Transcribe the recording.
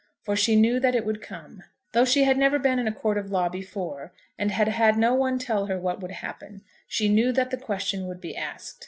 For she knew that it would come. Though she had never been in a court of law before, and had had no one tell her what would happen, she knew that the question would be asked.